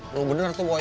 lo bener tuh boy